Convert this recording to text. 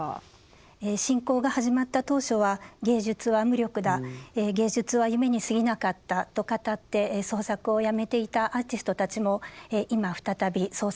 侵攻が始まった当初は芸術は無力だ芸術は夢にすぎなかったと語って創作をやめていたアーティストたちも今再び創作を始めている状況です。